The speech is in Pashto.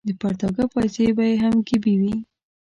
د پرتاګه پایڅې به یې هم ګیبي وې.